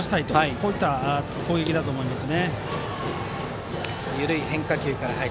こういった攻撃だと思います。